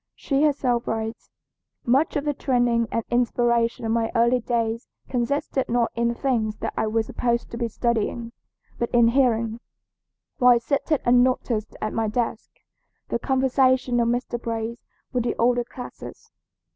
She herself writes: "Much of the training and inspiration of my early days consisted not in the things that I was supposed to be studying, but in hearing, while seated unnoticed at my desk, the conversation of Mr. Brace with the older classes.